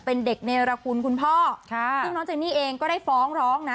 เป็นเด็กเนรคุณคุณพ่อค่ะซึ่งน้องเจนี่เองก็ได้ฟ้องร้องนะ